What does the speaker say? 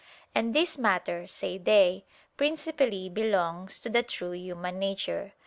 And this matter, say they, principally belongs to the true human nature.